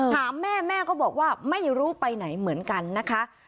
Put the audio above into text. ถามแม่แม่ก็บอกว่าไม่รู้ไปไหนเหมือนกันนะคะ